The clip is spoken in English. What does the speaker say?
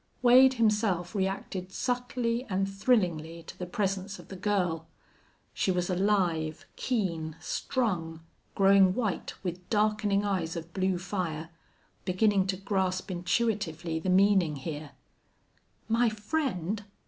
Wade himself reacted subtly and thrillingly to the presence of the girl. She was alive, keen, strung, growing white, with darkening eyes of blue fire, beginning to grasp intuitively the meaning here. "My friend!